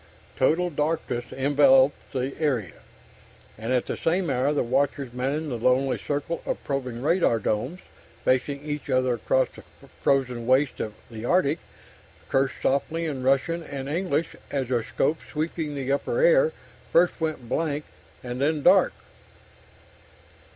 Total darkness enveloped the area. And at the same hour, the watchers manning the lonely circle of probing radar domes, facing each other across the frozen wastes of the Arctic, cursed softly in Russian and English as their scopes sweeping the upper air first went blank and then dark.